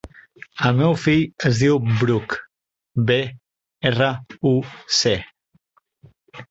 El meu fill es diu Bruc: be, erra, u, ce.